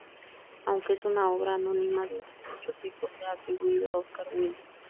Aunque es una obra anónima, durante mucho tiempo se ha atribuido a Oscar Wilde.